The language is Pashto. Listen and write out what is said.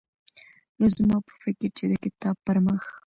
نو زما په فکر چې د کتاب پرمخ